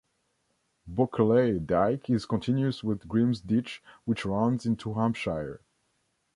Bokerley Dyke is continuous with Grim's Ditch which runs into Hampshire.